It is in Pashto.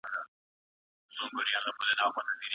ولي هڅاند سړی د تکړه سړي په پرتله بریا خپلوي؟